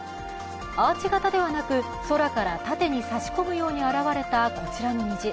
アーチ型ではなく、空から縦に差し込むように現れたこちらの虹。